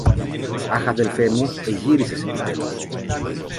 Αχ, αδελφέ μου, εγύρισες επιτέλους!